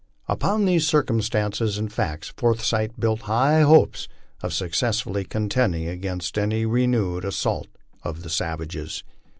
Upon these circumstances and facts Forsytli built high hopes of successfully contending against any renewed assaults of the savages.